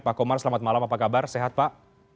pak komar selamat malam apa kabar sehat pak